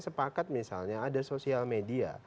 sepakat misalnya ada sosial media